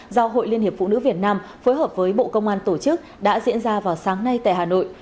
do hội liên hiệp phụ nữ việt nam phối hợp với bộ công an tổ chức đã diễn ra vào sáng nay tại hà nội